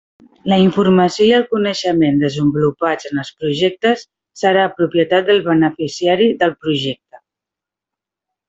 La informació i el coneixement desenvolupats en els projectes serà propietat del beneficiari del projecte.